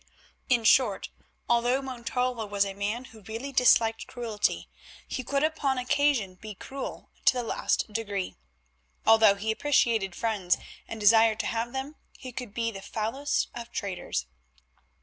In short, although Montalvo was a man who really disliked cruelty, he could upon occasion be cruel to the last degree; although he appreciated friends, and desired to have them, he could be the foulest of traitors.